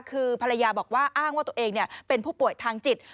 คือภรรยาบอกว่าอ้างว่าตัวเองเป็นผู้ป่วยทางจิต